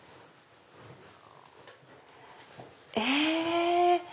え？